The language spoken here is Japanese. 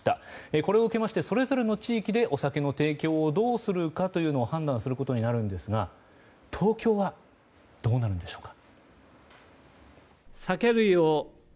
これを受けましてそれぞれの地域でお酒の提供をどうするかというのを判断することになるんですが東京はどうなるんでしょうか。